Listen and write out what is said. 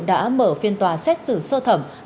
đã mở phiên tòa xét xử sơ thẩm